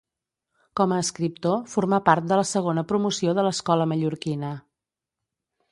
Com a escriptor formà part de la segona promoció de l'Escola Mallorquina.